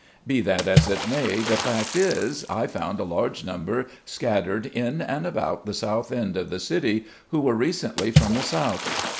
Be that as it may, the fact is, I found a large number scattered in and about the South End of the city, who were recently from the South.